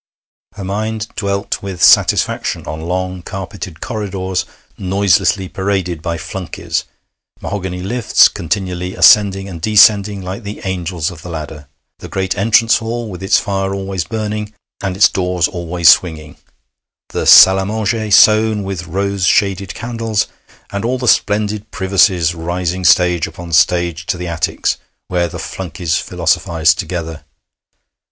Her mind dwelt with satisfaction on long carpeted corridors noiselessly paraded by flunkeys, mahogany lifts continually ascending and descending like the angels of the ladder, the great entrance hall with its fire always burning and its doors always swinging, the salle à manger sown with rose shaded candles, and all the splendid privacies rising stage upon stage to the attics, where the flunkeys philosophized together.